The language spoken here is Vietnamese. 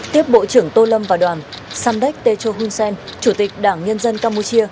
tiếp bộ trưởng tô lâm và đoàn samdek techo hun sen chủ tịch đảng nhân dân campuchia